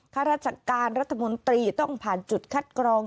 ข้าราชการรัฐมนตรีต้องผ่านจุดคัดกรอง